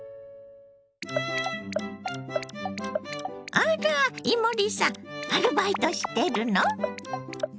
あら伊守さんアルバイトしてるの？